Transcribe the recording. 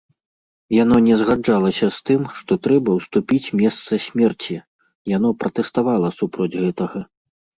Яно не згаджалася з тым, што трэба ўступіць месца смерці, яно пратэставала супроць гэтага.